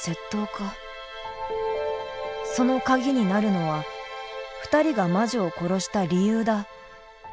そのカギになるのは２人が魔女を殺した理由だ。